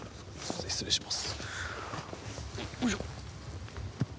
失礼します。